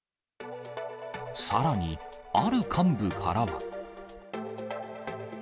さらに、ある幹部からは。